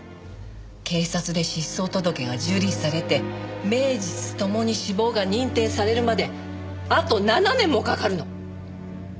警察で失踪届が受理されて名実共に死亡が認定されるまであと７年もかかるの！